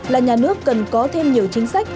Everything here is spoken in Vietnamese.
là nhà nước cần có thêm nhiều chính sách